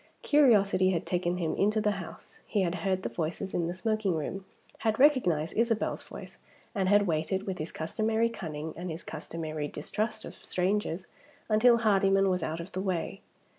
Curiosity had taken him into the house. He had heard the voices in the smoking room; had recognized Isabel's voice; and had waited, with his customary cunning and his customary distrust of strangers, until Hardyman was out of the way.